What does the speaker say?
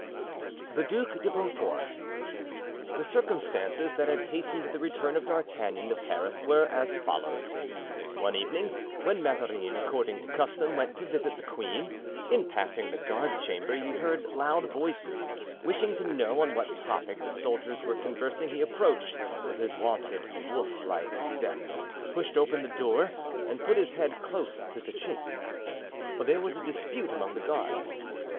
The Duc de Beaufort. The circumstances that had hastened the return of D'Artagnan to Paris were as follows: One evening, when Mazarin, according to custom, went to visit the queen, in passing the guard chamber he heard loud voices; wishing to know on what topic the soldiers were conversing, he approached with his wonted wolf like step, pushed open the door and put his head close to the chink. There was a dispute among the guards.